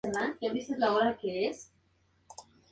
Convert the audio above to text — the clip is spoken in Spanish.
Parece que tenía amplios poderes.